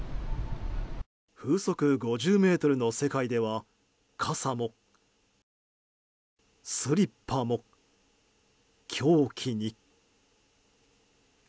風速５０メートルの世界では傘も、スリッパも凶器に。